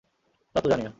তা তো জানি না।